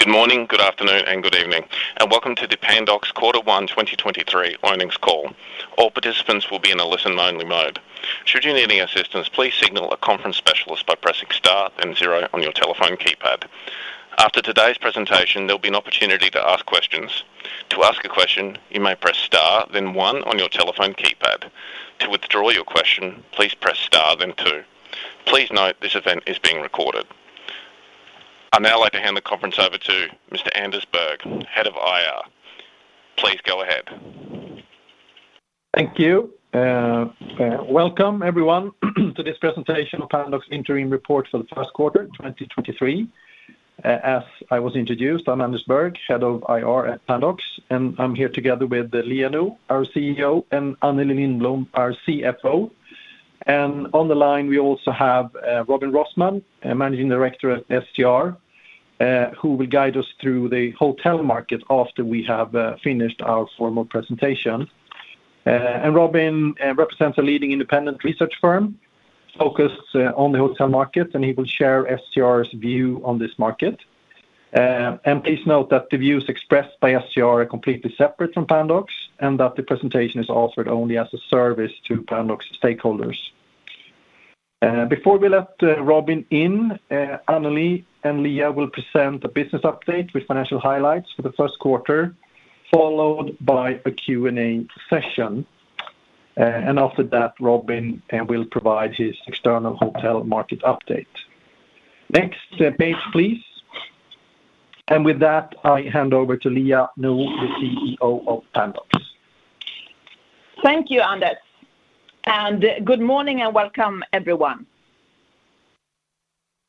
Good morning, good afternoon, and good evening, and welcome to the Pandox Q1 2023 Earnings Call. All participants will be in a listen-only mode. Should you need any assistance, please signal a conference specialist by pressing star then zero on your telephone keypad. After today's presentation, there'll be an opportunity to ask questions. To ask a question, you may press star, then one on your telephone keypad. To withdraw your question, please press star then two. Please note this event is being recorded. I'd now like to hand the conference over to Mr. Anders Berg, Head of IR. Please go ahead. Thank you. Welcome everyone to this presentation of Pandox Interim Report for the Q1 2023. As I was introduced, I'm Anders Berg, Head of IR at Pandox, and I'm here together with Liia Nõu, our CEO, and Anneli Lindblom, our CFO. On the line, we also have Robin Rossmann, a Managing Director at STR, who will guide us through the hotel market after we have finished our formal presentation. Robin represents a leading independent research firm focused on the hotel market, and he will share STR's view on this market. Please note that the views expressed by STR are completely separate from Pandox, and that the presentation is offered only as a service to Pandox stakeholders. Before we let Robin in, Anneli and Liia will present a business update with financial highlights for the Q1, followed by a Q&A session. After that, Robin will provide his external hotel market update. Next page, please. With that, I hand over to Liia Nõu, the CEO of Pandox. Thank you, Anders. Good morning and welcome everyone.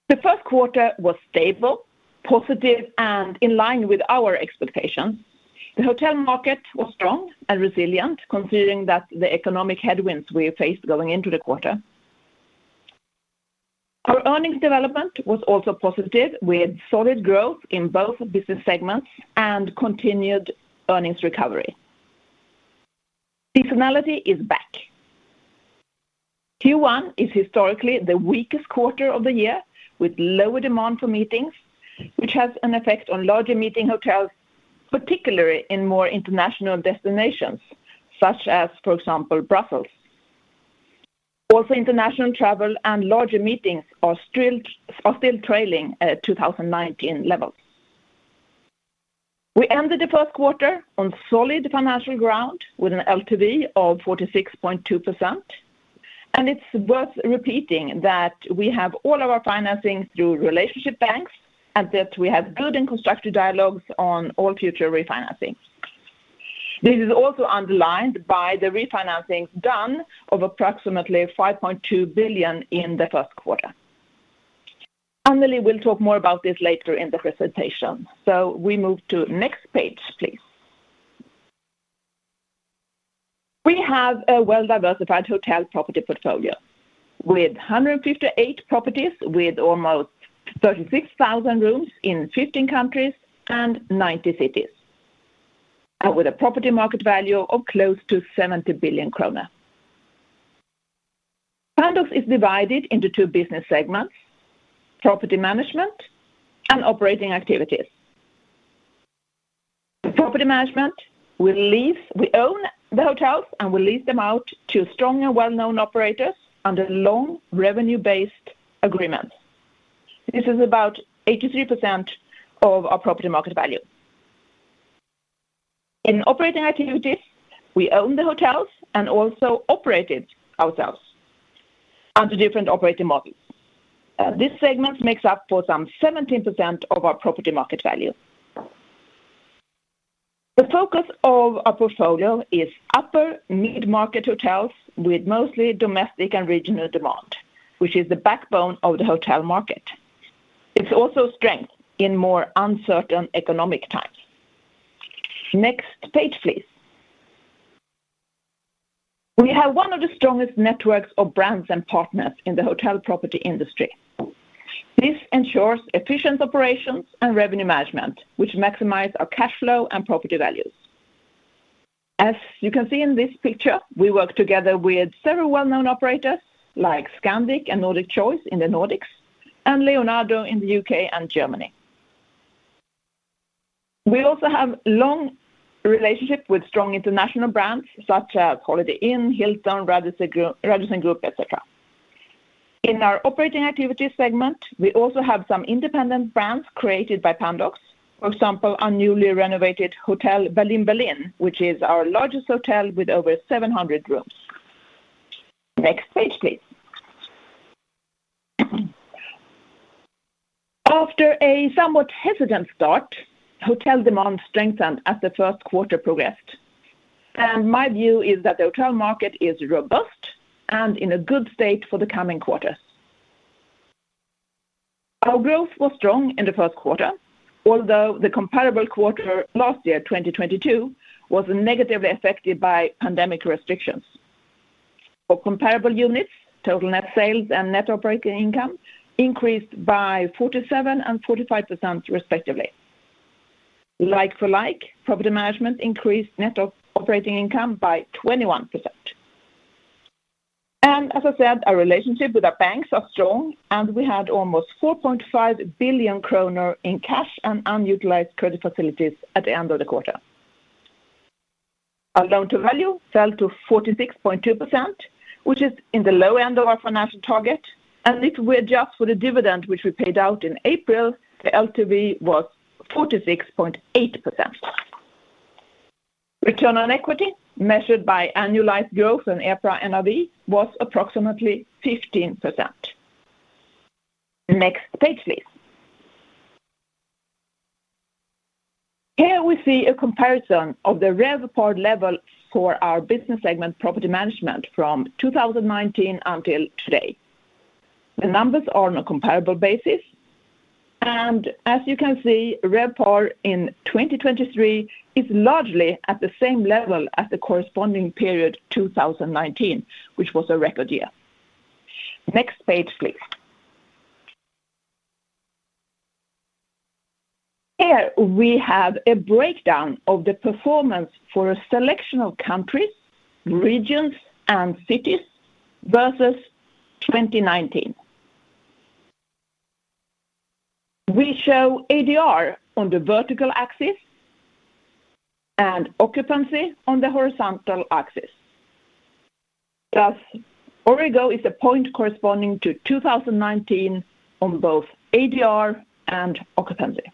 The Q1 was stable, positive, and in line with our expectations. The hotel market was strong and resilient considering that the economic headwinds we faced going into the quarter. Our earnings development was also positive with solid growth in both business segments and continued earnings recovery. Seasonality is back. Q1 is historically the weakest quarter of the year with lower demand for meetings, which has an effect on larger meeting hotels, particularly in more international destinations, such as, for example, Brussels. Also international travel and larger meetings are still trailing 2019 levels. We ended the Q1 on solid financial ground with an LTV of 46.2%. It's worth repeating that we have all our financing through relationship banks and that we have good and constructive dialogues on all future refinancing. This is also underlined by the refinancing done of approximately 5.2 billion in the Q1. Anneli will talk more about this later in the presentation. We move to next page, please. We have a well-diversified hotel property portfolio with 158 properties with almost 36,000 rooms in 15 countries and 90 cities, with a property market value of close to 70 billion kronor. Pandox is divided into two business segments, property management and operating activities. The property management, we own the hotels and will lease them out to strong and well-known operators under long revenue-based agreements. This is about 83% of our property market value. In operating activities, we own the hotels and also operate it ourselves under different operating models. This segment makes up for some 17% of our property market value. The focus of our portfolio is upper mid-market hotels with mostly domestic and regional demand, which is the backbone of the hotel market. It's also strength in more uncertain economic times. Next page, please. We have one of the strongest networks of brands and partners in the hotel property industry. This ensures efficient operations and revenue management, which maximize our cash flow and property values. As you can see in this picture, we work together with several well-known operators like Scandic and Nordic Choice in the Nordics, and Leonardo in the U.K. and Germany. We also have long relationship with strong international brands such as Holiday Inn, Hilton, Radisson Group, et cetera. In our operating activities segment, we also have some independent brands created by Pandox. For example, our newly renovated hotel, Hotel Berlin, which is our largest hotel with over 700 rooms. Next page, please. After a somewhat hesitant start, hotel demand strengthened as the Q1 progressed. My view is that the hotel market is robust and in a good state for the coming quarters. Our growth was strong in the Q1, although the comparable quarter last year, 2022, was negatively affected by pandemic restrictions. For comparable units, total net sales and net operating income increased by 47% and 45% respectively. Like for like, property management increased net operating income by 21%. As I said, our relationship with our banks are strong, and we had almost 4.5 billion kronor in cash and unutilized credit facilities at the end of the quarter. Our loan to value fell to 46.2%, which is in the low end of our financial target. If we adjust for the dividend which we paid out in April, the LTV was 46.8%. Return on equity measured by annualized growth in EPRA NAV was approximately 15%. Next page, please. Here we see a comparison of the RevPAR level for our business segment Property Management from 2019 until today. The numbers are on a comparable basis. As you can see, RevPAR in 2023 is largely at the same level as the corresponding period 2019, which was a record year. Next page, please. Here we have a breakdown of the performance for a selection of countries, regions, and cities versus 2019. We show ADR on the vertical axis and occupancy on the horizontal axis. Thus, origo is a point corresponding to 2019 on both ADR and occupancy.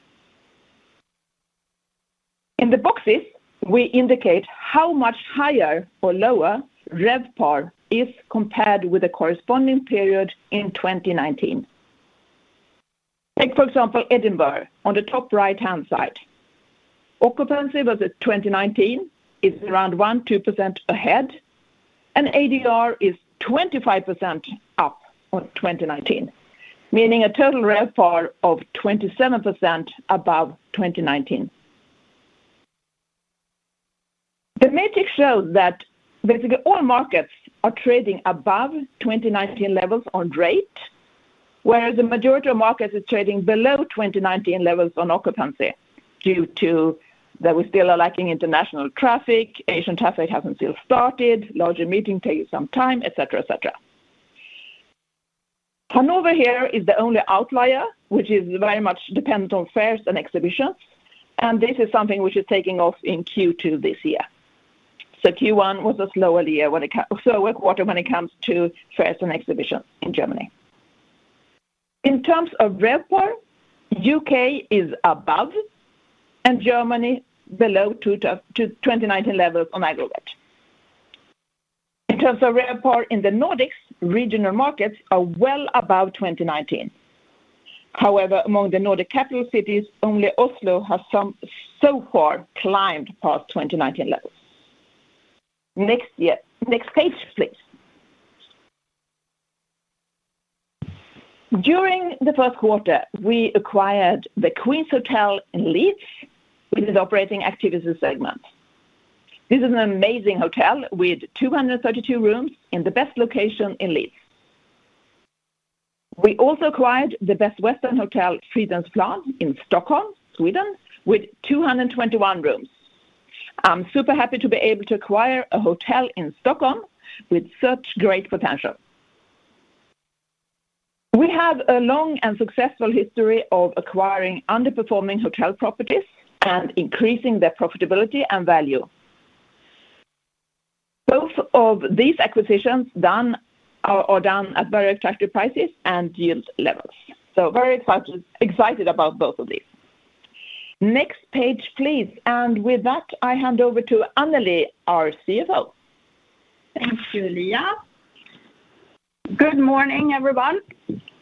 In the boxes, we indicate how much higher or lower RevPAR is compared with the corresponding period in 2019. Take for example Edinburgh on the top right-hand side. Occupancy versus 2019 is around 1%-2% ahead, and ADR is 25% up on 2019, meaning a total RevPAR of 27% above 2019. The matrix shows that basically all markets are trading above 2019 levels on rate, whereas the majority of markets is trading below 2019 levels on occupancy due to that we still are lacking international traffic, Asian traffic hasn't still started, larger meeting takes some time, et cetera. Hanover here is the only outlier, which is very much dependent on fairs and exhibitions, and this is something which is taking off in Q2 this year. Q1 was a slower quarter when it comes to fairs and exhibitions in Germany. In terms of RevPAR, U.K. is above and Germany below 2019 levels on aggregate. In terms of RevPAR in the Nordics, regional markets are well above 2019. However, among the Nordic capital cities, only Oslo has some so far climbed past 2019 levels. Next page, please. During the Q1, we acquired The Queens Hotel in Leeds, which is operating activities segment. This is an amazing hotel with 232 rooms in the best location in Leeds. We also acquired the Best Western Hotel Fridhemsplan in Stockholm, Sweden with 221 rooms. I'm super happy to be able to acquire a hotel in Stockholm with such great potential. We have a long and successful history of acquiring underperforming hotel properties and increasing their profitability and value. Both of these acquisitions done were done at very attractive prices and yield levels. Very excited about both of these. Next page, please. With that, I hand over to Anneli, our CFO. Thank you, Liia. Good morning, everyone.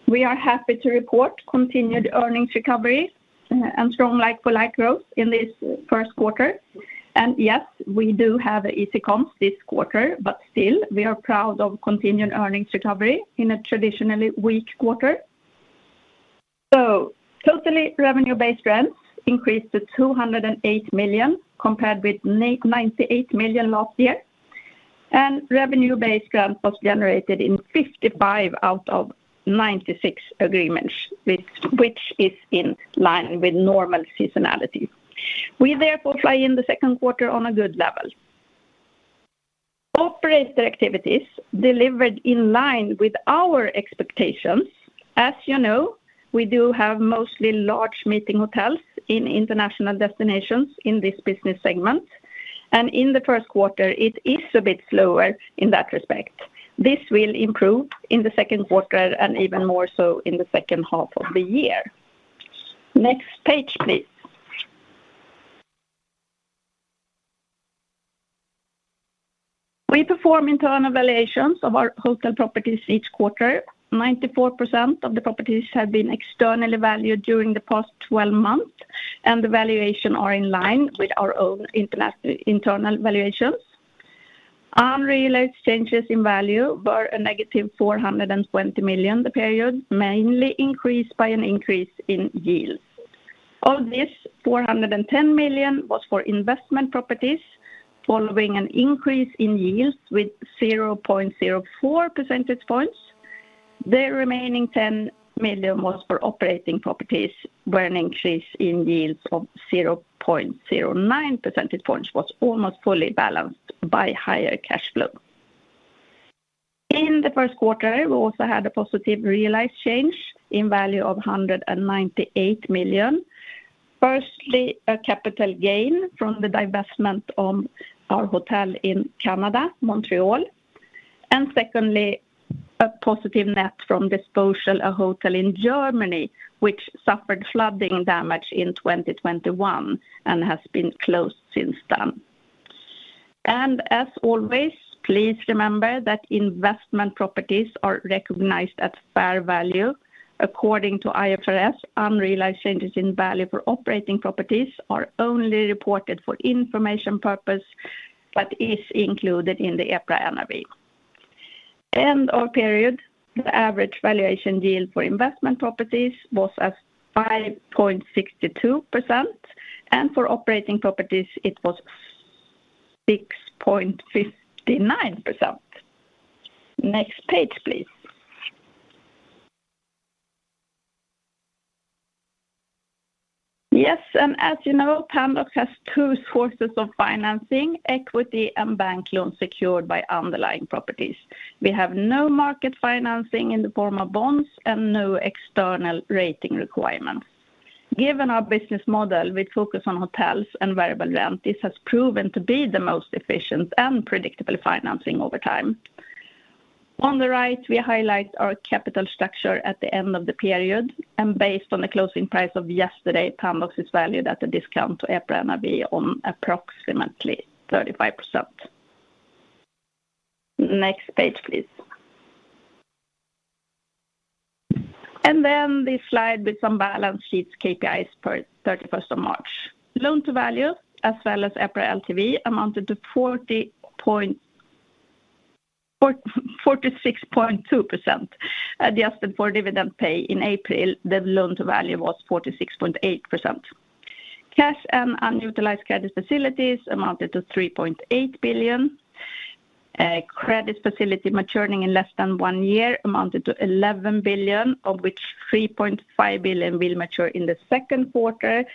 We are happy to report continued earnings recovery and strong like-for-like growth in this Q1. Yes, we do have easy comps this quarter, but still, we are proud of continued earnings recovery in a traditionally weak quarter. Totally revenue based rents increased to 208 million compared with 98 million last year. Revenue based rents was generated in 55 out of 96 agreements, which is in line with normal seasonality. We therefore fly in the Q2 on a good level. Operator activities delivered in line with our expectations. As you know, we do have mostly large meeting hotels in international destinations in this business segment. In the Q1 it is a bit slower in that respect. This will improve in the Q2 and even more so in the second half of the year. Next page, please. We perform internal valuations of our hotel properties each quarter. 94% of the properties have been externally valued during the past 12 months. The valuation are in line with our own internal valuations. Unrealized changes in value were a negative 420 million the period, mainly increased by an increase in yield. Of this, 410 million was for investment properties following an increase in yields with 0.04 percentage points. The remaining 10 million was for operating properties where an increase in yields of 0.09 percentage points was almost fully balanced by higher cash flow. In the Q1, we also had a positive realized change in value of 198 million. Firstly, a capital gain from the divestment on our hotel in Canada, Montreal, and secondly, a positive net from disposal a hotel in Germany which suffered flooding damage in 2021 and has been closed since then. As always, please remember that investment properties are recognized at fair value. According to IFRS, unrealized changes in value for operating properties are only reported for information purpose, but is included in the EPRA NAV. End of period, the average valuation yield for investment properties was at 5.62%, and for operating properties it was 6.59%. Next page, please. Yes, as you know, Pandox has two sources of financing, equity and bank loans secured by underlying properties. We have no market financing in the form of bonds and no external rating requirements. Given our business model, we focus on hotels and variable rent. This has proven to be the most efficient and predictable financing over time. On the right, we highlight our capital structure at the end of the period. Based on the closing price of yesterday, Pandox is valued at a discount to EPRA NAV on approximately 35%. Next page, please. The slide with some balance sheets, KPIs per March 31. Loan to value as well as EPRA LTV amounted to 46.2%. Adjusted for dividend pay in April, the loan to value was 46.8%. Cash and unutilized credit facilities amounted to 3.8 billion. Credit facility maturing in less than one year amounted to 11 billion, of which 3.5 billion will mature in the Q2.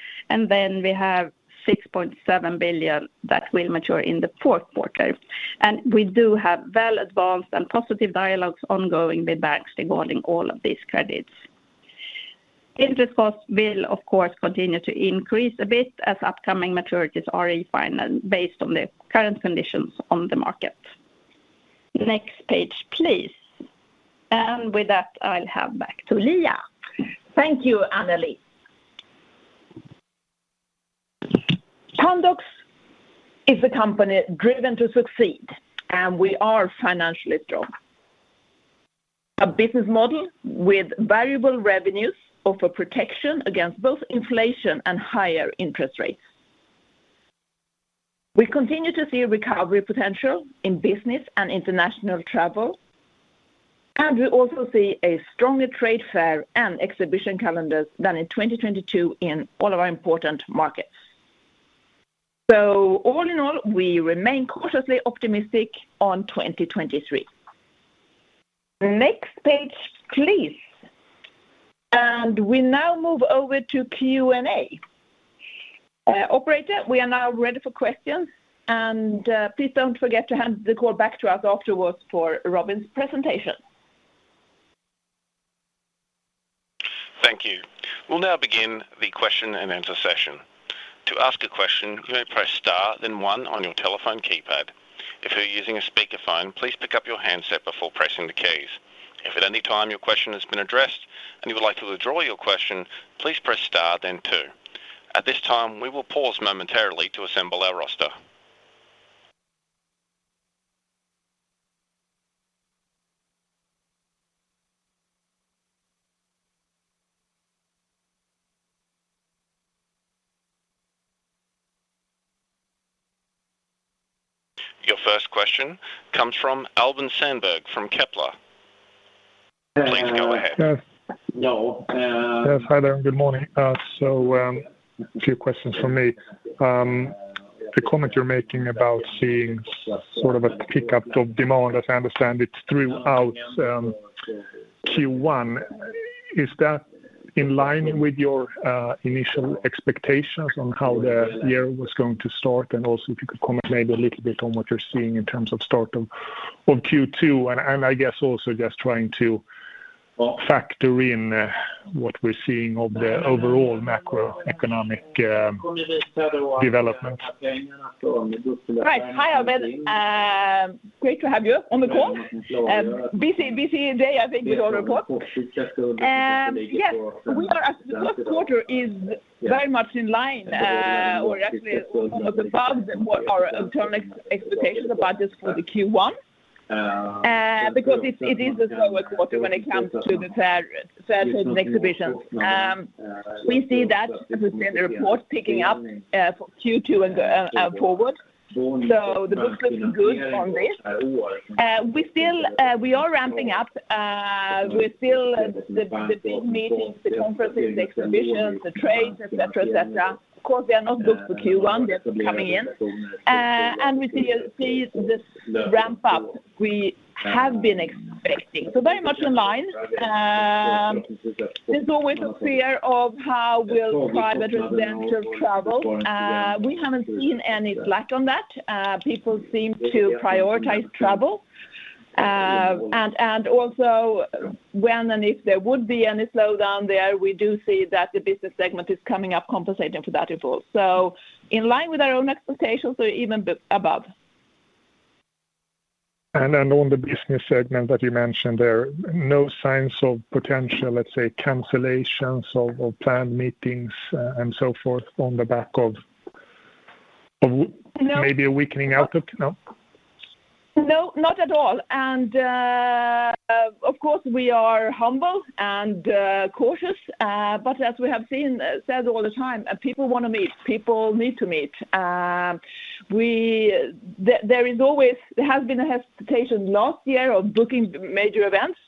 We have 6.7 billion that will mature in the Q4. We do have well-advanced and positive dialogues ongoing with banks regarding all of these credits. Interest costs will, of course, continue to increase a bit as upcoming maturities are refined and based on the current conditions on the market. Next page, please. With that, I'll hand back to Liia. Thank you, Anneli. Pandox is a company driven to succeed, we are financially strong. A business model with variable revenues offer protection against both inflation and higher interest rates. We continue to see recovery potential in business and international travel, we also see a stronger trade fair and exhibition calendars than in 2022 in all of our important markets. All in all, we remain cautiously optimistic on 2023. Next page, please. We now move over to Q&A. Operator, we are now ready for questions. Please don't forget to hand the call back to us afterwards for Robin's presentation. Thank you. We'll now begin the question-and-answer session. To ask a question, you may press star then one on your telephone keypad. If you're using a speakerphone, please pick up your handset before pressing the keys. If at any time your question has been addressed and you would like to withdraw your question, please press star then two. At this time, we will pause momentarily to assemble our roster. Your first question comes from Albin Sandberg from Kepler. Please go ahead. Yes. No. Yes. Hi there. Good morning. A few questions from me. The comment you're making about seeing sort of a pick-up of demand, as I understand it, throughout Q1, is that in line with your initial expectations on how the year was going to start? Also if you could comment maybe a little bit on what you're seeing in terms of start of Q2. I guess also just trying to factor in what we're seeing of the overall macroeconomic development. Right. Hi, Albin. Great to have you on the call. Busy, busy day, I think, with our report. Yes. As the Q1 is very much in line, or actually above what our internal expectation, the budgets for the Q1, because it is a slower quarter when it comes to the fair trade and exhibitions. We see that, as we say in the report, picking up for Q2 and forward. The book looks good on this. We are ramping up. The big meetings, the conferences, the exhibitions, the trades, et cetera, et cetera, of course, they are not booked for Q1. They're coming in. And we see this ramp up we have been expecting. Very much in line. There's always a fear of how will private residential travel. We haven't seen any slack on that. People seem to prioritize travel. Also when and if there would be any slowdown there, we do see that the business segment is coming up compensating for that in full. In line with our own expectations or even above. On the business segment that you mentioned there, no signs of potential, let's say, cancellations of planned meetings, and so forth on the back of maybe a weakening output? No. No, not at all. Of course, we are humble and cautious, but as we have said all the time, people wanna meet, people need to meet. There has been a hesitation last year of booking major events,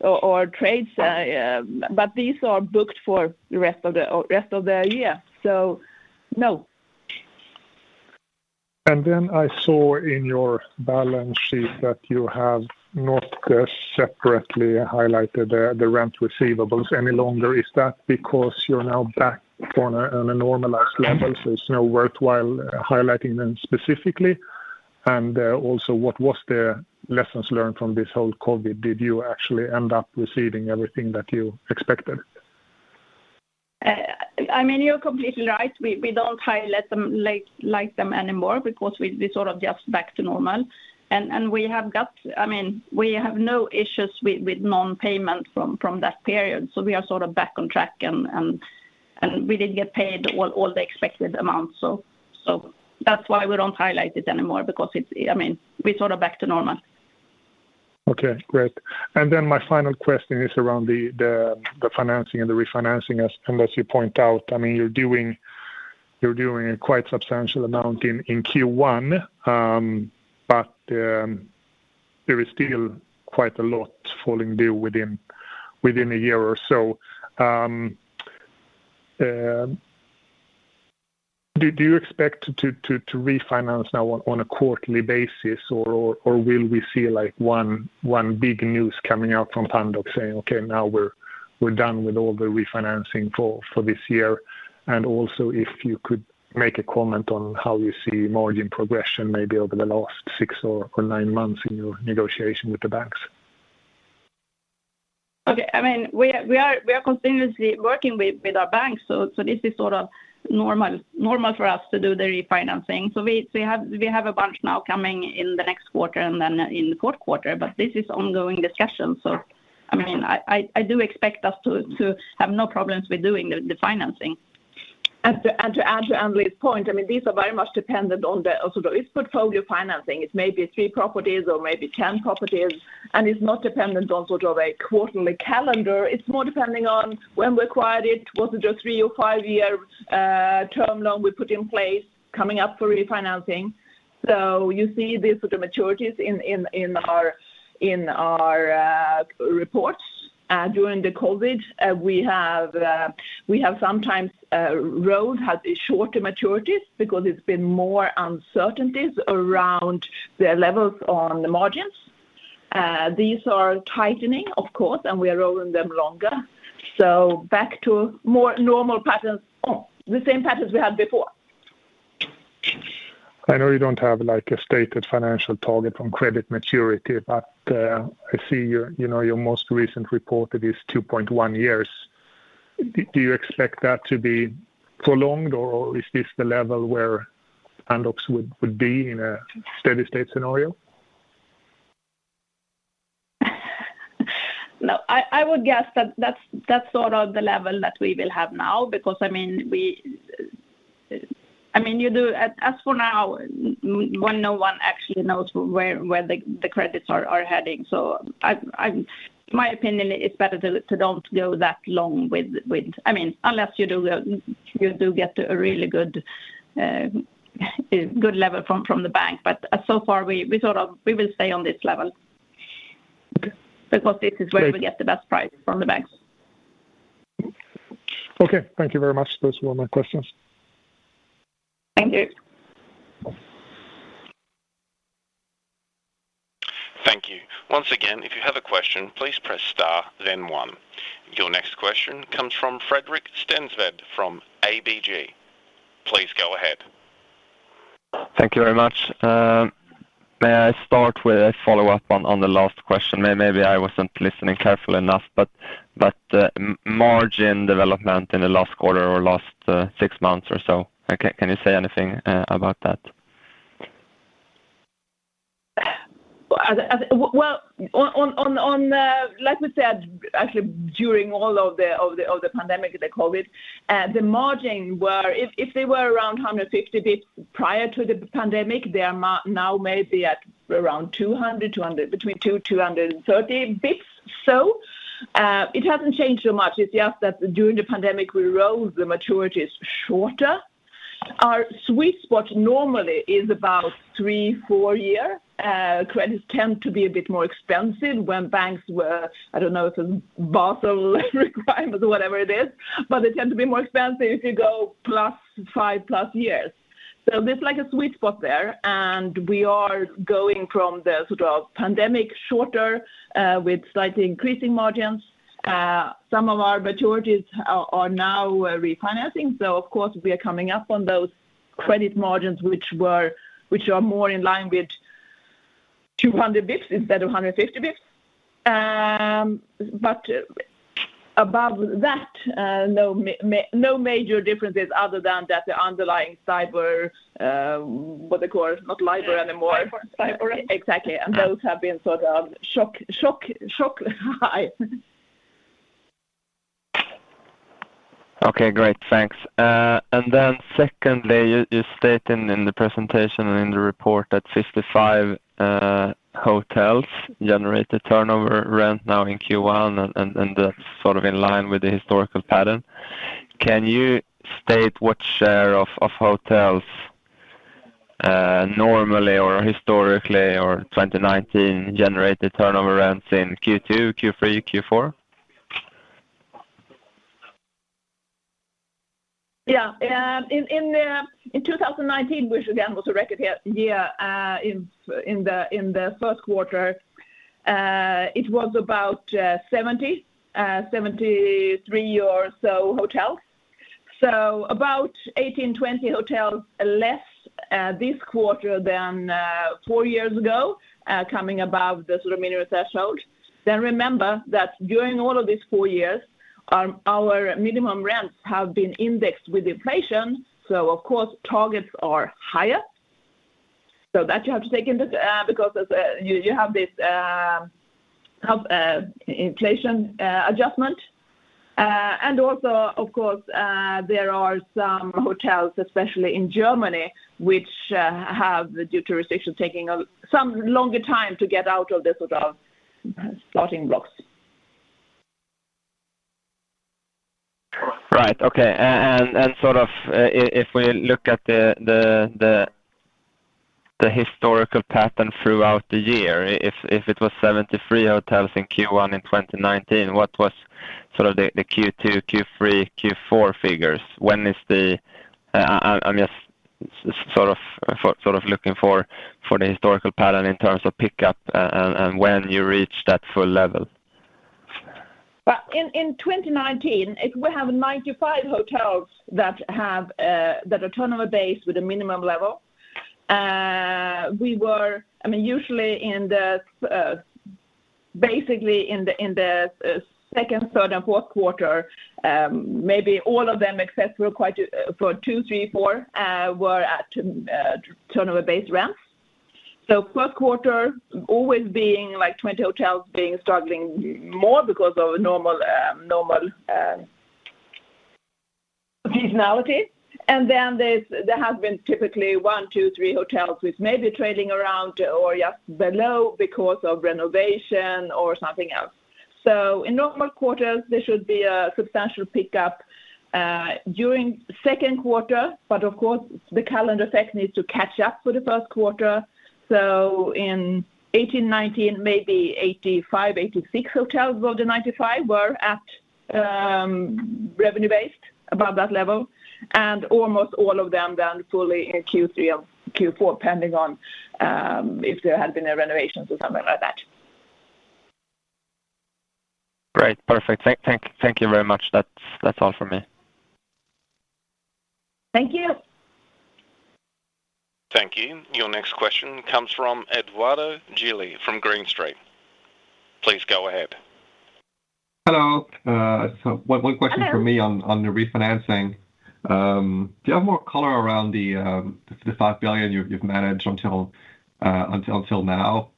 or trades, but these are booked for the rest of the year. So, no. Then I saw in your balance sheet that you have not separately highlighted the rent receivables any longer. Is that because you're now back on a normalized level so it's not worthwhile highlighting them specifically? Also what was the lessons learned from this whole COVID? Did you actually end up receiving everything that you expected? I mean, you're completely right. We don't highlight them like them anymore because we sort of just back to normal. I mean, we have no issues with non-payment from that period, we are sort of back on track and we did get paid all the expected amounts. That's why we don't highlight it anymore because I mean, we're sort of back to normal. Okay, great. Then my final question is around the financing and the refinancing unless you point out. I mean, you're doing a quite substantial amount in Q1, but there is still quite a lot falling due within a year or so. Do you expect to refinance now on a quarterly basis or will we see like 1 big news coming out from Pandox saying, "Okay, now we're done with all the refinancing for this year." Also if you could make a comment on how you see margin progression maybe over the last six or nine months in your negotiation with the banks. Okay. I mean, we are continuously working with our banks, so this is sort of normal for us to do the refinancing. We have a bunch now coming in the next quarter and then in the Q4. This is ongoing discussions, so I mean, I do expect us to have no problems with doing the financing. To add to Anneli's point, I mean, these are very much dependent on it's portfolio financing. It may be three properties or maybe 10 properties, and it's not dependent on sort of a quarterly calendar. It's more depending on when we acquired it, was it a three or five-year term loan we put in place coming up for refinancing. You see these sort of maturities in our reports. During the COVID, we have sometimes had shorter maturities because it's been more uncertainties around the levels on the margins. These are tightening, of course, and we are rolling them longer. Back to more normal patterns, the same patterns we had before. I know you don't have like a stated financial target on credit maturity, but I see your, you know, your most recent report it is 2.1 years. Do you expect that to be prolonged or is this the level where Pandox would be in a steady state scenario? No. I would guess that's sort of the level that we will have now because, I mean, we. I mean, as for now, no one actually knows where the credits are heading. My opinion, it's better to don't go that long with. I mean, unless you do, you do get a really good level from the bank. So far we sort of, we will stay on this level. Okay. This is where we get the best price from the banks. Okay. Thank you very much. Those were all my questions. Thank you. Thank you. Once again, if you have a question, please press star then one. Your next question comes from Fredrik Stensved from ABG. Please go ahead. Thank you very much. May I start with a follow-up on the last question? Maybe I wasn't listening carefully enough, but margin development in the last quarter or last six months or so. Okay, can you say anything about that? Well, like we said, actually during all of the, all the, all the pandemic, the COVID, the margin were. If they were around 150 bips prior to the pandemic, they are now maybe at around 200 bips. Between 200 bips and 230 bips. It hasn't changed so much. It's just that during the pandemic we rolled the maturities shorter. Our sweet spot normally is about three years, four years. Credits tend to be a bit more expensive when banks were, I don't know, it was Basel requirements or whatever it is, but they tend to be more expensive if you go plus five years. There's like a sweet spot there, and we are going from the sort of pandemic shorter with slightly increasing margins. Some of our maturities are now refinancing. Of course we are coming up on those. Credit margins which are more in line with 200 bips instead of 150 bips. Above that, no major differences other than that the underlying cyber. What they're called? Not library anymore. Cyber. Exactly. Those have been sort of shock high. Okay, great. Thanks. Secondly, you stated in the presentation and in the report that 55 hotels generated turnover rent now in Q1. That's sort of in line with the historical pattern. Can you state what share of hotels normally or historically or 2019 generated turnover rents in Q2, Q3, Q4? Yeah. In 2019, which again was a record year, in the Q1, it was about 70-73 or so hotels. About 18-20 hotels less this quarter than four years ago, coming above the sort of minimum threshold. Remember that during all of these four years, our minimum rents have been indexed with inflation, so of course targets are higher. That you have to take into, because as you have this, have inflation adjustment. Also of course, there are some hotels, especially in Germany, which have the jurisdiction taking some longer time to get out of the sort of starting blocks. Right. Okay. Sort of if we look at the historical pattern throughout the year, if it was 73 hotels in Q1 in 2019, what was sort of the Q2, Q3, Q4 figures? I'm just sort of looking for the historical pattern in terms of pickup and when you reach that full level. Well, in 2019, we have 95 hotels that have that are turnover based with a minimum level. I mean, usually in the basically in the Q2, Q3, and Q4, maybe all of them except for two, three, four were at turnover-based rents. Q1 always being like 20 hotels struggling more because of normal seasonality. There have been typically one, two, three hotels which may be trailing around or just below because of renovation or something else. In normal quarters, there should be a substantial pickup during Q2. Of course, the calendar effect needs to catch up for the Q1. In 2018, 2019, maybe 85, 86 hotels of the 95 were at revenue based above that level. Almost all of them then fully in Q3 and Q4, depending on, if there had been a renovation or something like that. Great. Perfect. Thank you very much. That's all for me. Thank you. Thank you. Your next question comes from Edoardo Gili from Green Street. Please go ahead. Hello. Hello. One question for me on the refinancing. Do you have more color around the 5 billion you've managed until now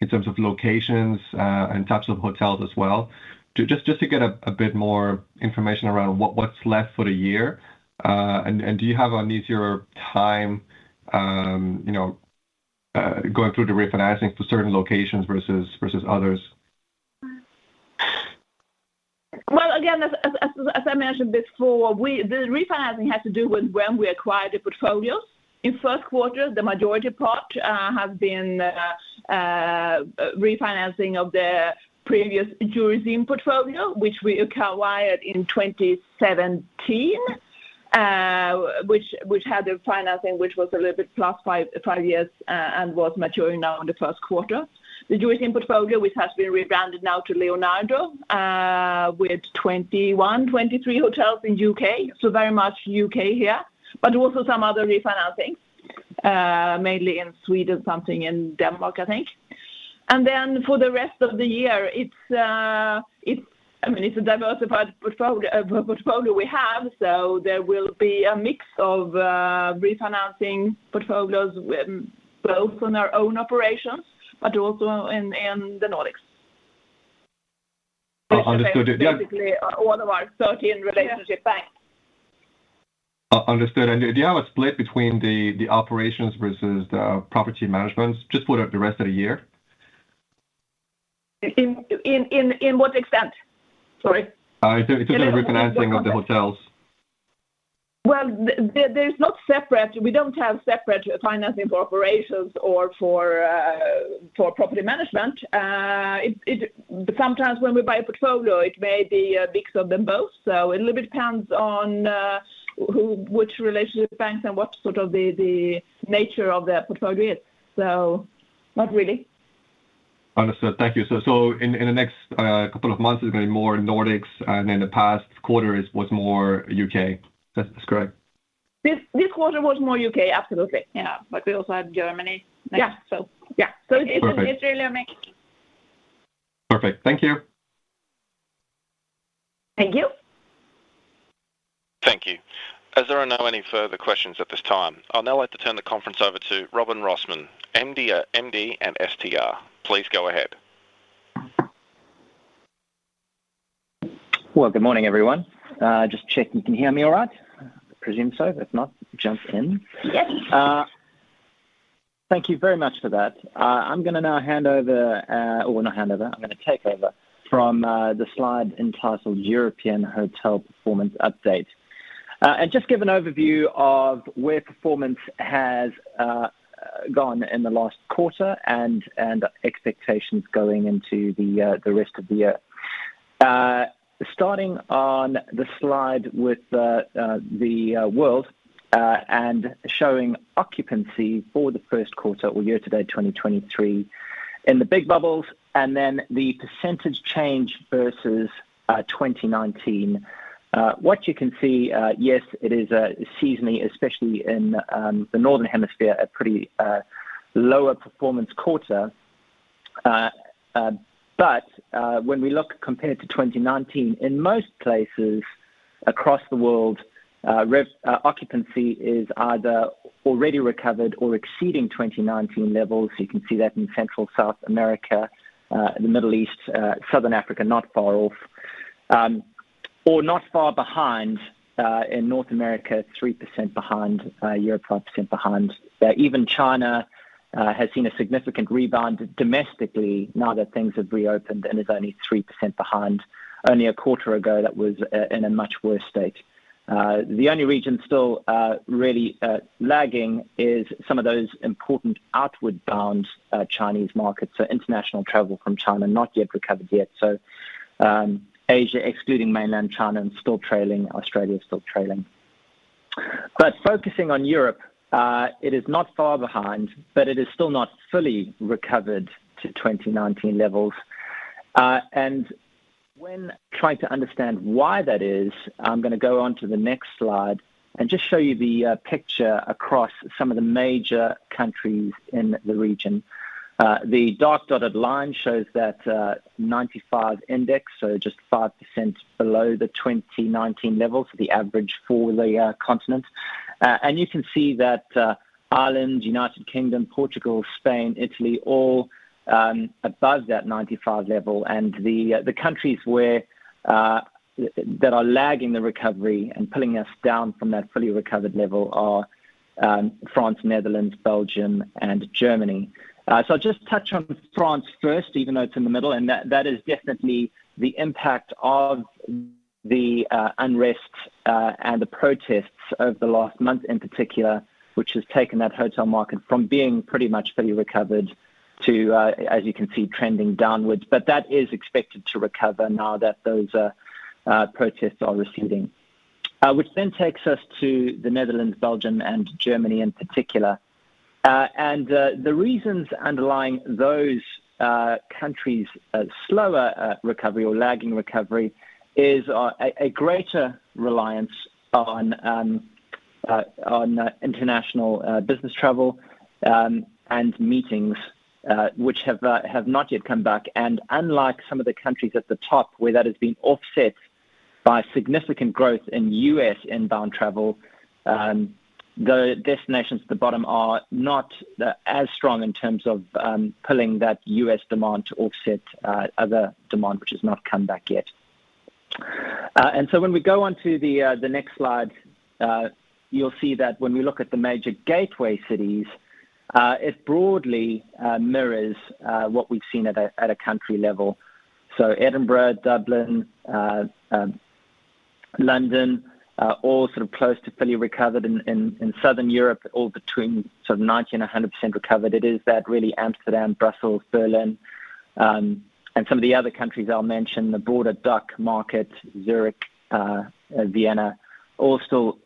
in terms of locations and types of hotels as well? Just to get a bit more information around what's left for the year, do you have an easier time, you know, going through the refinancing for certain locations versus others? Again, as I mentioned before, the refinancing has to do with when we acquired the portfolios. In Q1, the majority part has been refinancing of the previous Jurys Inn portfolio, which we acquired in 2017, which had the financing which was a little bit plus five years, and was maturing now in the Q1. The Jurys Inn portfolio, which has been rebranded now to Leonardo, with 21-23 hotels in U.K., so very much U.K. here, but also some other refinancing, mainly in Sweden, something in Denmark, I think. For the rest of the year, I mean, it's a diversified portfolio we have, so there will be a mix of refinancing portfolios with both on our own operations but also in the Nordics. Understood. Yeah. Basically one of our 13 relationship banks. Understood. Do you have a split between the operations versus the property managements just for the rest of the year? In what extent? Sorry. In terms of refinancing of the hotels. Well, there's not separate. We don't have separate financing for operations or for property management. Sometimes when we buy a portfolio, it may be a mix of them both. It little bit depends on which relationship banks and what sort of the nature of the portfolio is. Not really. Understood. Thank you. In the next couple of months, there's gonna be more Nordics, and in the past quarter was more U.K. That's correct? This quarter was more U.K. Absolutely. Yeah. We also had Germany next. Yeah. Yeah. Perfect. It is really a mix. Perfect. Thank you. Thank you. Thank you. As there are no any further questions at this time, I'll now like to turn the conference over to Robin Rossmann, MD and STR. Please go ahead. Well, good morning, everyone. Just checking you can hear me all right? I presume so. If not, jump in. Yes. Thank you very much for that. I'm gonna now hand over, or not hand over, I'm gonna take over from the slide entitled European Hotel Performance Update. Just give an overview of where performance has gone in the last quarter and expectations going into the rest of the year. Starting on the slide with the world, and showing occupancy for the Q1 or year-to-date 2023 in the big bubbles, and then the % change versus 2019. What you can see, yes, it is seasoning, especially in the northern hemisphere, a pretty lower performance quarter. When we look compared to 2019, in most places across the world, occupancy is either already recovered or exceeding 2019 levels. You can see that in Central South America, in the Middle East, Southern Africa, not far off, or not far behind, in North America, 3% behind, Europe, 5% behind. Even China has seen a significant rebound domestically now that things have reopened and is only 3% behind. Only a quarter ago that was at, in a much worse state. The only region still really lagging is some of those important outward bound Chinese markets. International travel from China not yet recovered yet. Asia, excluding Mainland China and still trailing Australia, still trailing. Focusing on Europe, it is not far behind, but it is still not fully recovered to 2019 levels. When trying to understand why that is, I'm gonna go on to the next slide and just show you the picture across some of the major countries in the region. The dark dotted line shows that 95 index, so just 5% below the 2019 level for the average for the continent. You can see that Ireland, United Kingdom, Portugal, Spain, Italy, all above that 95 level. The countries where that are lagging the recovery and pulling us down from that fully recovered level are France, Netherlands, Belgium and Germany. I'll just touch on France first, even though it's in the middle, and that is definitely the impact of the unrest and the protests over the last month in particular, which has taken that hotel market from being pretty much fully recovered to, as you can see, trending downwards. That is expected to recover now that those protests are receding. Which then takes us to the Netherlands, Belgium, and Germany in particular. The reasons underlying those countries slower recovery or lagging recovery is a greater reliance on international business travel and meetings, which have not yet come back. Unlike some of the countries at the top where that has been offset by significant growth in U.S. inbound travel, the destinations at the bottom are not as strong in terms of pulling that U.S. demand to offset other demand which has not come back yet. When we go on to the next slide, you'll see that when we look at the major gateway cities, it broadly mirrors what we've seen at a country level. Edinburgh, Dublin, London, all sort of close to fully recovered in Southern Europe, all between sort of 90% and 100% recovered. It is that really Amsterdam, Brussels, Berlin, and some of the other countries I'll mention, the broader DACH market, Zurich, Vienna, all still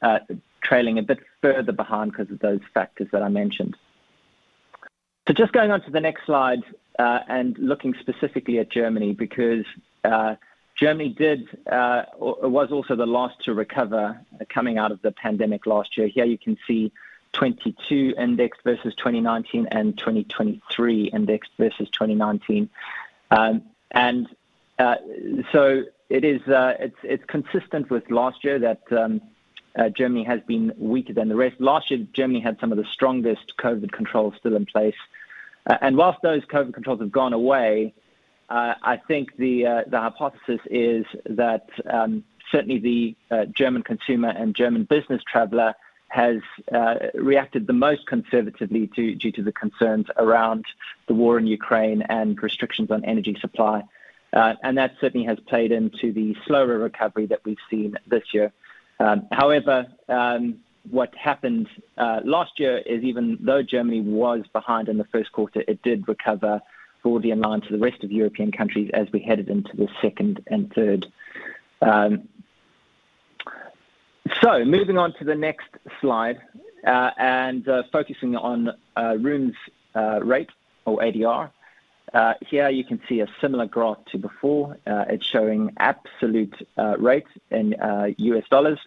trailing a bit further behind 'cause of those factors that I mentioned. Just going on to the next slide, and looking specifically at Germany because Germany did or was also the last to recover coming out of the pandemic last year. Here you can see 22 index versus 2019 and 2023 index versus 2019. It is it's consistent with last year that Germany has been weaker than the rest. Last year, Germany had some of the strongest COVID controls still in place. Whilst those COVID controls have gone away, I think the hypothesis is that certainly the German consumer and German business traveler has reacted the most conservatively due to the concerns around the war in Ukraine and restrictions on energy supply. That certainly has played into the slower recovery that we've seen this year. However, what happened last year is even though Germany was behind in the Q1, it did recover more in line to the rest of European countries as we headed into the second and third. Moving on to the next slide, focusing on rooms rate or ADR. Here you can see a similar graph to before. It's showing absolute rates in U.S. dollars.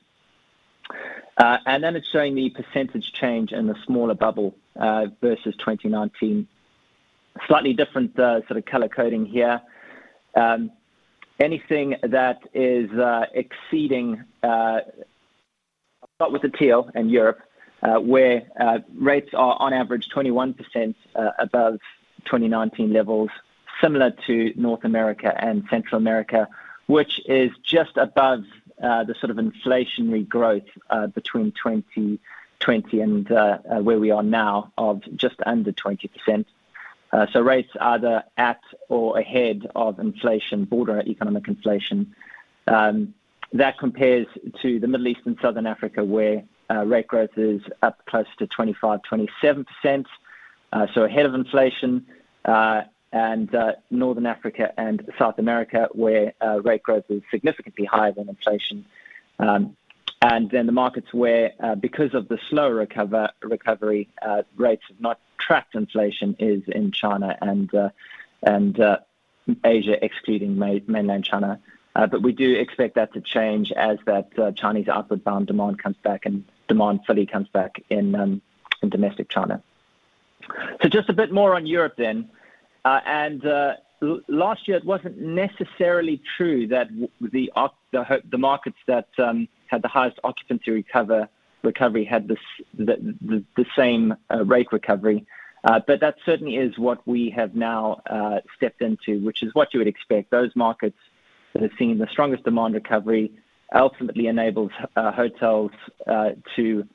It's showing the percentage change in the smaller bubble versus 2019. Slightly different sort of color coding here. Anything that is exceeding, I'll start with the teal in Europe, where rates are on average 21% above 2019 levels, similar to North America and Central America, which is just above the sort of inflationary growth between 2020 and where we are now of just under 20%. Rates either at or ahead of inflation, broader economic inflation. That compares to the Middle East and Southern Africa, where rate growth is up close to 25%-27%, ahead of inflation, and Northern Africa and South America, where rate growth is significantly higher than inflation. The markets where, because of the slower recovery, rates have not tracked inflation is in China and Asia, excluding mainland China. We do expect that to change as that Chinese outward bound demand comes back and demand fully comes back in domestic China. Just a bit more on Europe. Last year it wasn't necessarily true that the markets that had the highest occupancy recovery had the same rate recovery. That certainly is what we have now stepped into, which is what you would expect. Those markets that have seen the strongest demand recovery ultimately enables hotels to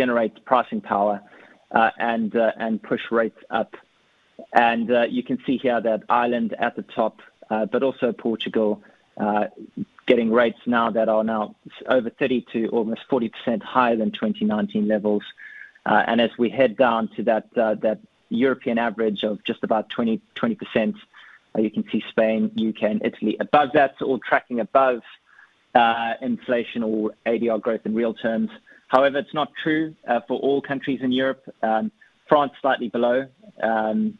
generate pricing power and push rates up. You can see here that Ireland at the top, but also Portugal, getting rates now that are now over 30%-40% higher than 2019 levels. As we head down to that European average of just about 20%, you can see Spain, U.K. and Italy above that, so all tracking above inflation or ADR growth in real terms. However, it's not true for all countries in Europe. France slightly below,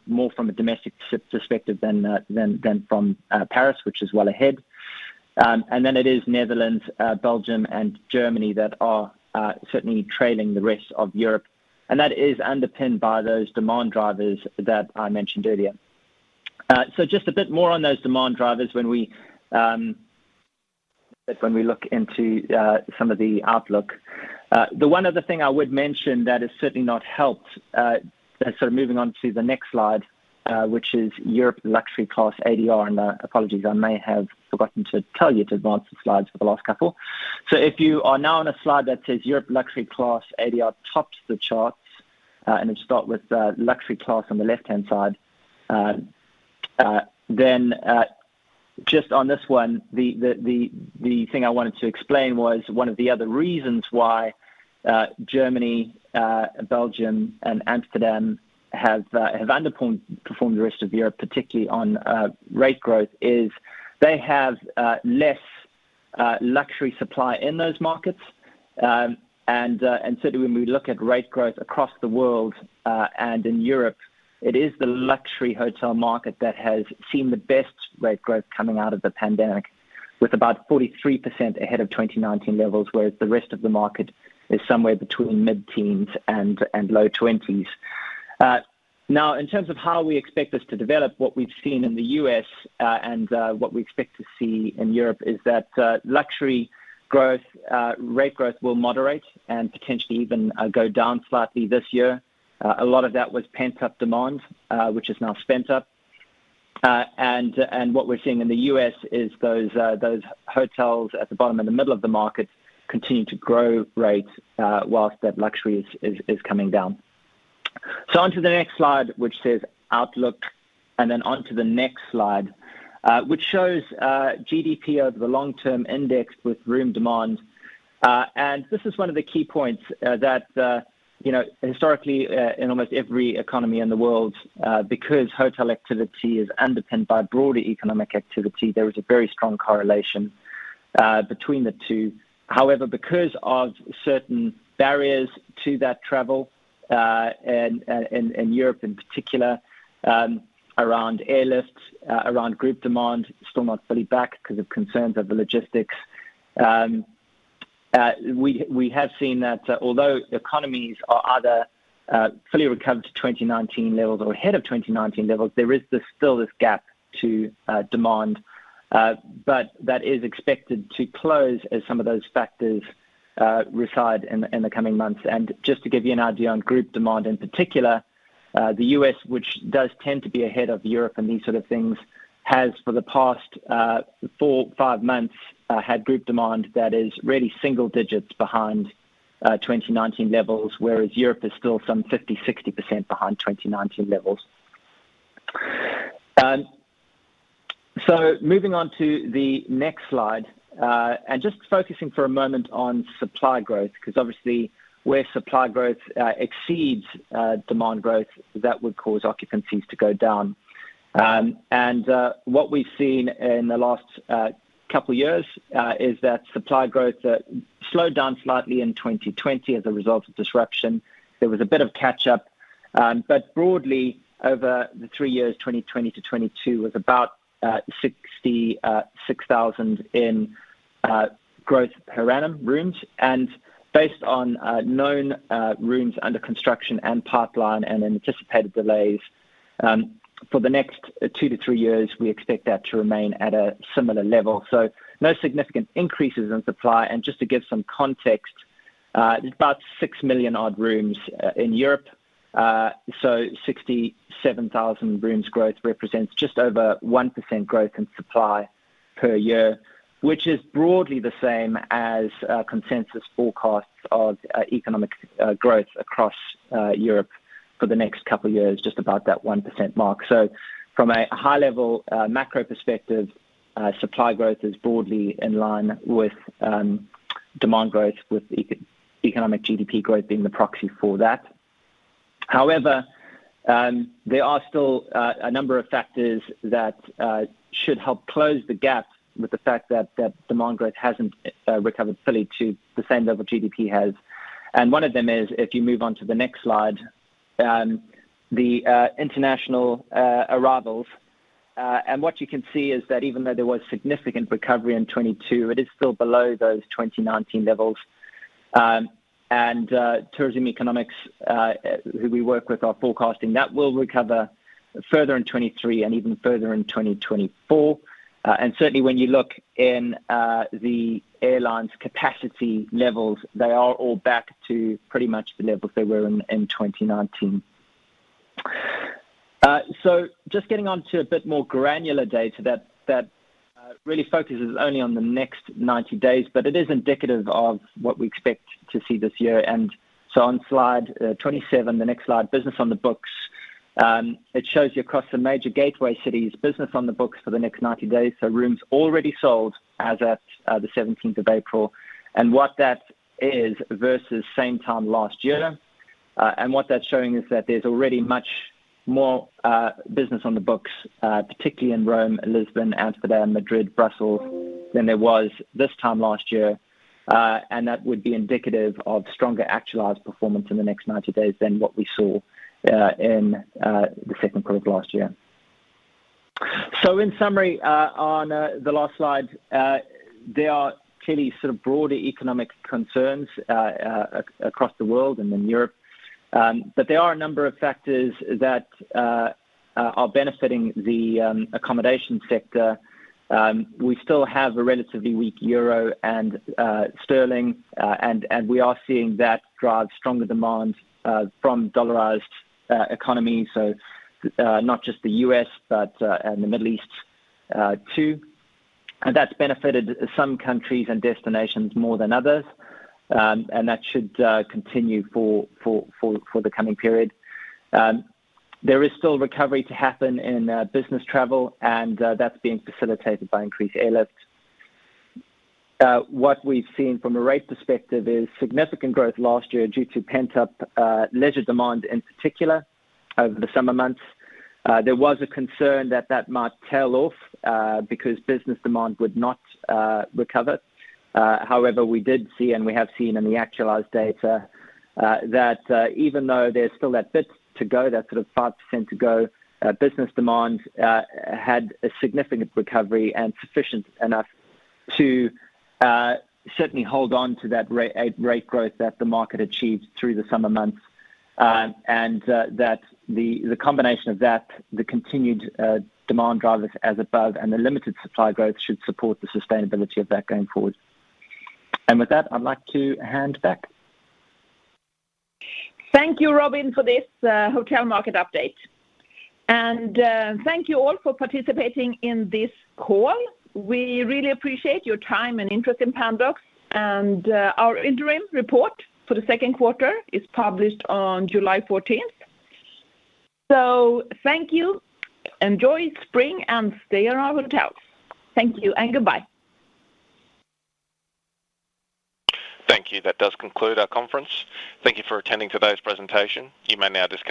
more from a domestic perspective than from Paris, which is well ahead. Then it is Netherlands, Belgium and Germany that are certainly trailing the rest of Europe, and that is underpinned by those demand drivers that I mentioned earlier. So just a bit more on those demand drivers. When we look into some of the outlook. The one other thing I would mention that has certainly not helped, moving on to the next slide, which is Europe luxury class ADR. Apologies, I may have forgotten to tell you to advance the slides for the last couple. If you are now on a slide that says Europe luxury class ADR tops the charts, it's start with luxury class on the left-hand side. Just on this one, the thing I wanted to explain was one of the other reasons why Germany, Belgium and Amsterdam have underperformed the rest of Europe, particularly on rate growth, is they have less luxury supply in those markets. When we look at rate growth across the world and in Europe, it is the luxury hotel market that has seen the best rate growth coming out of the pandemic with about 43% ahead of 2019 levels, whereas the rest of the market is somewhere between mid-teens and low twenties. Now in terms of how we expect this to develop, what we've seen in the U.S. and what we expect to see in Europe is that luxury growth, rate growth will moderate and potentially even go down slightly this year. A lot of that was pent up demand, which is now spent up. What we're seeing in the U.S. is those hotels at the bottom and the middle of the market continue to grow rates, whilst that luxury is coming down. Onto the next slide, which says outlook, and then onto the next slide, which shows GDP over the long term indexed with room demand. This is one of the key points that, you know, historically, in almost every economy in the world, because hotel activity is underpinned by broader economic activity, there is a very strong correlation between the two. However, because of certain barriers to that travel, and Europe in particular, around airlifts, around group demand, still not fully back because of concerns over logistics. We, we have seen that although economies are either fully recovered to 2019 levels or ahead of 2019 levels, there is still this gap to demand. That is expected to close as some of those factors recede in the coming months. Just to give you an idea on group demand in particular, the U.S., which does tend to be ahead of Europe in these sort of things, has for the past four, five months had group demand that is really single digits behind 2019 levels, whereas Europe is still some 50%, 60% behind 2019 levels. Moving on to the next slide, and just focusing for a moment on supply growth, because obviously where supply growth exceeds demand growth, that would cause occupancies to go down. What we've seen in the last couple years is that supply growth slowed down slightly in 2020 as a result of disruption. There was a bit of catch-up. Broadly, over the three years, 2020 to 2022 was about 66,000 in growth per annum rooms. Based on known rooms under construction and pipeline and anticipated delays, for the next two to three years, we expect that to remain at a similar level. No significant increases in supply. Just to give some context, there's about 6 million odd rooms in Europe. 67,000 rooms growth represents just over 1% growth in supply per year, which is broadly the same as consensus forecasts of economic growth across Europe for the next couple years, just about that 1% mark. From a high level, macro perspective, supply growth is broadly in line with demand growth, with eco-economic GDP growth being the proxy for that. However, there are still a number of factors that should help close the gap with the fact that demand growth hasn't recovered fully to the same level GDP has. One of them is if you move on to the next slide, the international arrivals. What you can see is that even though there was significant recovery in 2022, it is still below those 2019 levels. tourism economics, who we work with are forecasting that will recover further in 2023 and even further in 2024. Certainly when you look in the airlines capacity levels, they are all back to pretty much the levels they were in 2019. Just getting on to a bit more granular data that really focuses only on the next 90 days, but it is indicative of what we expect to see this year. On slide 27, the next slide, business on the books, it shows you across the major gateway cities business on the books for the next 90 days. Rooms already sold as at the 17th of April and what that is versus same time last year. What that's showing is that there's already much more business on the books, particularly in Rome, Lisbon, Amsterdam, Madrid, Brussels, than there was this time last year. That would be indicative of stronger actualized performance in the next 90 days than what we saw in the Q2 of last year. In summary, on the last slide, there are clearly sort of broader economic concerns across the world and then Europe. There are a number of factors that are benefiting the accommodation sector. We still have a relatively weak EUR and GBP, and we are seeing that drive stronger demand from dollarized economy. Not just the U.S., but, and the Middle East, too. That's benefited some countries and destinations more than others. That should continue for the coming period. There is still recovery to happen in business travel, and that's being facilitated by increased airlifts. What we've seen from a rate perspective is significant growth last year due to pent-up leisure demand in particular over the summer months. There was a concern that that might tail off because business demand would not recover. However, we did see and we have seen in the actualized data that even though there's still that bit to go, that sort of 5% to go, business demand had a significant recovery and sufficient enough to certainly hold on to that rate growth that the market achieved through the summer months. That the combination of that, the continued demand drivers as above and the limited supply growth should support the sustainability of that going forward. With that, I'd like to hand back. Thank you, Robin, for this hotel market update. Thank you all for participating in this call. We really appreciate your time and interest in Pandox. Our interim report for the Q2 is published on July fourteenth. Thank you, enjoy spring and stay in our hotels. Thank you and goodbye. Thank you. That does conclude our conference. Thank you for attending today's presentation. You may now disconnect.